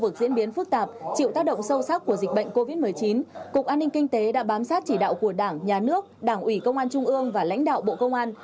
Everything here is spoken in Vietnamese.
cục an ninh kinh tế đã bám sát chỉ đạo của đảng nhà nước đảng ủy công an trung ương và lãnh đạo bộ công an